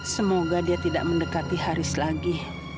semoga dia tidak mendekati haris lagi